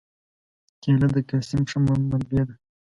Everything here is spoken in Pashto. کېله د کلسیم ښه منبع ده.